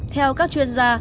theo các chuyên gia